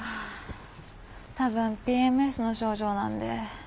多分ＰＭＳの症状なんで。